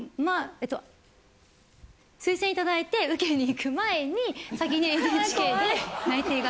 推薦頂いて受けに行く前に先にＮＨＫで内定が。